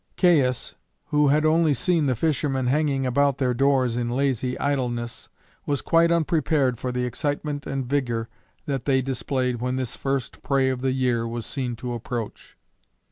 Caius, who had only seen the fishermen hanging about their doors in lazy idleness, was quite unprepared for the excitement and vigour that they displayed when this first prey of the year was seen to approach.